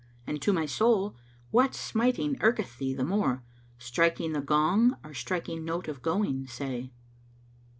And to my soul, 'What smiting irketh thee the more— * Striking the gong or striking note of going,[FN#529] say?'"